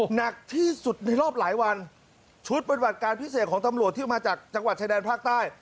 หนักที่สุดในรอบหลายวันชุดปฏิบัติการพิเศษของตำรวจที่มาจากจังหวัดชายแดนภาคใต้